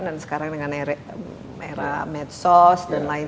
dan sekarang dengan era medsos dan lain lain